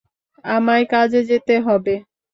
আমায় কাজে যেতে হবে।